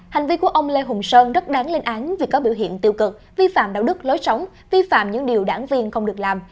hành vi của ông lê hùng sơn rất đáng lên án vì có biểu hiện tiêu cực vi phạm đạo đức lối sống vi phạm những điều đảng viên không được làm